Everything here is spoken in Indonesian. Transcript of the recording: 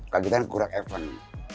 kalau kita kan kurang event